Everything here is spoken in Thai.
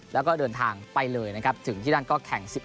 แล้วก็เดินทางไปเลยนะครับถึงที่นั่นก็แข่ง๑๑